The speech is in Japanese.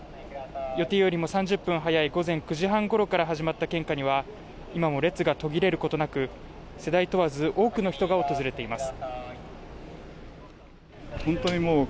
予定よりも３０分早い午前９時半ごろから始まった献花には今も列が途切れることなく世代問わず多くの人が訪れています